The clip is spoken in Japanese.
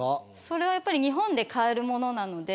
それはやっぱり日本で買えるものなので。